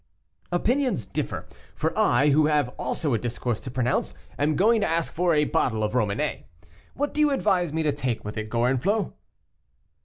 "Opinions differ, for I, who have also a discourse to pronounce, am going to ask for a bottle of Romanée. What do you advise me to take with it, Gorenflot?"